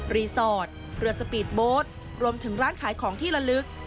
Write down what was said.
รีสอร์ทเหลือสปีดโบ๊ทรวมถึงร้านขายของที่ละลึก